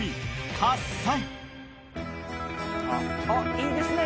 いいですね！